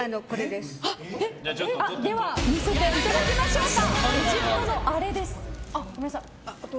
では見せていただきましょうか。